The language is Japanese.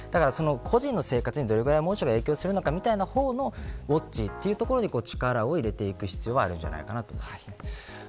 個人の生活にどれぐらい猛暑が影響するのかみたいな方のウオッチというところに力を入れていく必要があると思います。